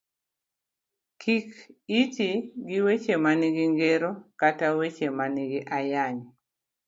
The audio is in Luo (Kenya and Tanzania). Kik iti gi weche manigi ngero kata weche manigi ayany.